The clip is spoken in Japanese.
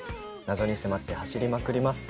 謎に迫って走りまくります。